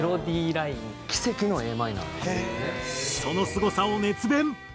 そのすごさを熱弁！